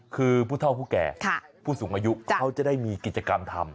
คือผู้เท่าผู้แก่ผู้สูงอายุเขาจะได้มีกิจกรรมทำ